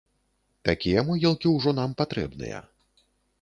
Такія могілкі ўжо нам патрэбныя.